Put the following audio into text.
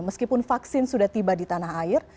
meskipun vaksin sudah tiba di tanah air